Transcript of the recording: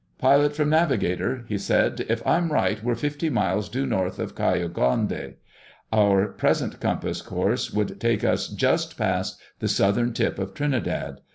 "Pilot from navigator," he said. "If I'm right we're fifty miles due north of Cayo Grande. Our present compass course would take us just past the southern tip of Trinidad.